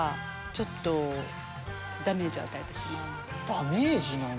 ダメージなんだ。